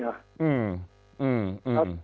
อืมอืมอืม